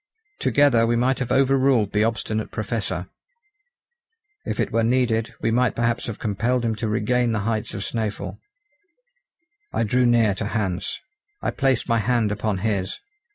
Together we might have over ruled the obstinate Professor; if it were needed, we might perhaps have compelled him to regain the heights of Snæfell. I drew near to Hans. I placed my hand upon his.